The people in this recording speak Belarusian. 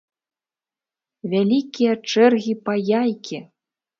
Вялікія чэргі па яйкі!